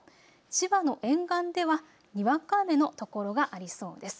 千葉の沿岸では、にわか雨の所がありそうです。